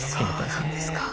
そうなんですか。